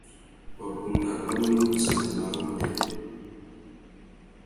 Wabunda wa mú mitsa marru matê.